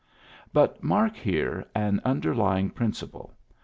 But mark here an underlying principle.